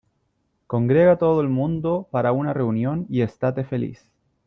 Congrega a todo el mundo para una reunión , y estate feliz .